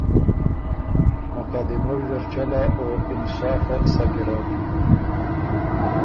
مقادمۀ ویزر چلا او انصافه سَۀ ګیرډ۔